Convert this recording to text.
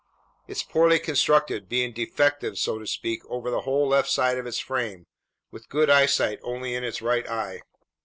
It's poorly constructed, being "defective," so to speak, over the whole left side of its frame, with good eyesight only in its right eye.